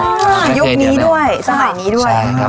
ก็ยุคนี้ด้วยสมัยนี้ด้วย